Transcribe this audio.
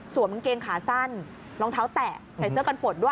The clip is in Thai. สวมมันเกงขาสั้นรองเท้าแตะใส่เสื้อกันขวดด้วย